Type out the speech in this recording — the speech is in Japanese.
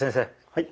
はい。